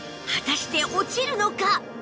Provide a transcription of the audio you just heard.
果たして落ちるのか！？